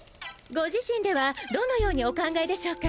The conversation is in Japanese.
ご自身ではどのようにお考えでしょうか！？